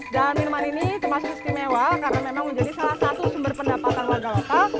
dan minuman ini termasuk istimewa karena memang menjadi salah satu sumber pendapatan warga lokal